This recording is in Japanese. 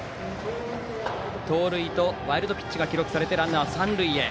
盗塁とワイルドピッチが記録されてランナーは三塁へ。